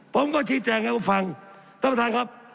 ผมก็ชี้แจงให้ผมฟังท่านประธานครับ